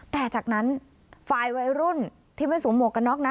แต่จากนั้นฝ่ายวัยรุ่นที่ไม่สวมหวกกันน็อกนะ